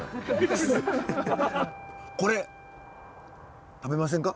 これ食べませんか？